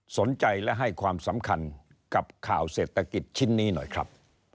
สนใจและให้ความสำคัญกับข่าวเศรษฐกิจชิ้นนี้หน่อยครับ